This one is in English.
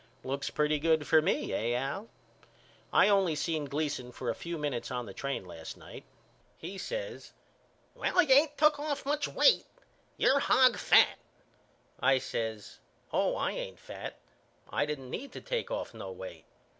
Looks pretty good for me eh Al? I only seen Gleason for a few minutes on the train last night. He says, Well you ain't took off much weight. You're hog fat. I says Oh I ain't fat. I didn't need to take off no weight.